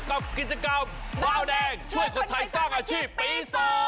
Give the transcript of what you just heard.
กับกิจกรรมบาวแดงช่วยคนไทยสร้างอาชีพปี๒